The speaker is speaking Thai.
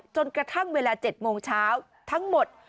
จนกระทั่งเวลา๗โมงเช้าทั้งหมด